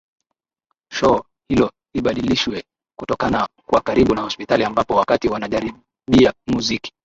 shoo hilo libadilishwe kutokana kuwa karibu na hospitali ambapo wakati wanajaribia muziki